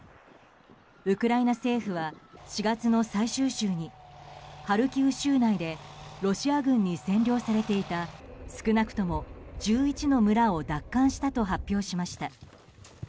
ウクライナ政府は４月の最終週にハルキウ州内でロシア軍に占領されていた少なくとも１１の村を奪還したと発表しました。